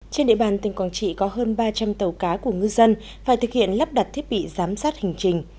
trên địa bàn tỉnh quảng trị có hơn ba trăm linh tàu cá của ngư dân phải thực hiện lắp đặt thiết bị giám sát hành trình